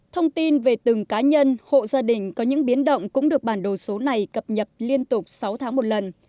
thông tin về từng cá nhân hộ gia đình có những biến động cũng được bản đồ số này cập nhật liên tục sáu tháng một lần